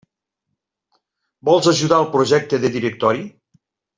Vols ajudar el Projecte de Directori?